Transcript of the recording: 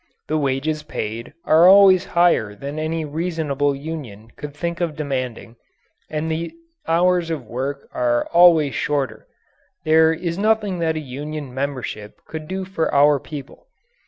The wages paid are always higher than any reasonable union could think of demanding and the hours of work are always shorter. There is nothing that a union membership could do for our people.